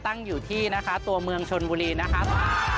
ตั้งอยู่ที่นะคะตัวเมืองชนบุรีนะครับ